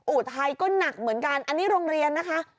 อุทัยก็หนักเหมือนกันอันนี้โรงเรียนนะคะ